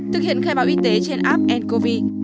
thực hiện khai báo y tế trên app ncovi